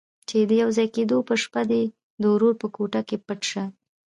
چې د يوځای کېدو په شپه دې د ورور په کوټه کې پټ شه.